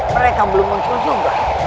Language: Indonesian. mereka belum muncul juga